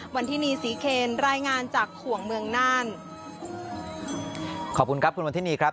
วันที่นี่ศรีเคนรายงานจากขวงเมืองน่านขอบคุณครับคุณวันทินีครับ